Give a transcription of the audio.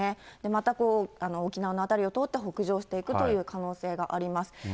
また沖縄の辺りを通って北上していくという可能性があります。